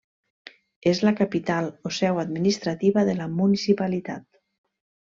És la capital o seu administrativa de la municipalitat.